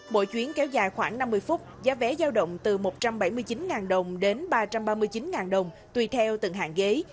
mỗi chuyến kéo dài khoảng năm mươi phút giá vé giao động từ một trăm bảy mươi chín đồng đến ba trăm ba mươi chín đồng tùy theo từng hạng ghế